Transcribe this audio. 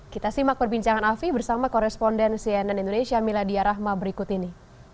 kita simak perbincangan afi bersama koresponden cnn indonesia miladia rahma berikut ini